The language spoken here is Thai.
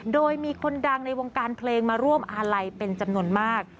โดยมีคนดังในวงการเพลงมาร่วมอาลัยเป็นจำนวนมาก